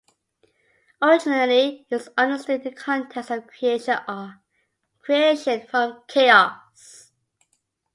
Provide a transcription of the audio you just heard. Originally, it was understood in the context of creation from chaos.